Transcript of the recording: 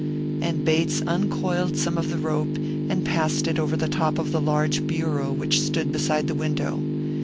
And Bates uncoiled some of the rope, and passed it over the top of the large bureau which stood beside the window.